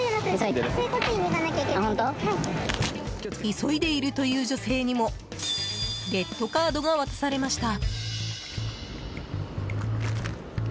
急いでいるという女性にもレッドカードが渡されました。